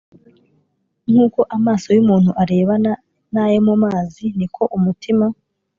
nkuko amaso yumuntu arebana nayo mu mazi niko umutima